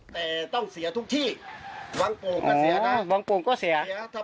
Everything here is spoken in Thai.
แต่ต้องเสียทุกที่วังปุ่มก็เสียนะ